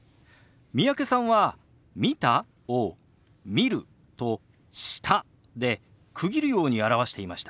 三宅さんは「見た？」を「見る」と「した」で区切るように表していましたね。